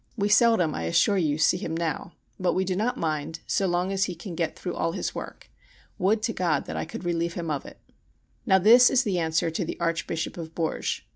We seldom, I assure you, see him now. But we do not mind so long as he can get through all his work. Would to God that I could relieve him of it! Now this is the answer to the Archbishop of Bourges.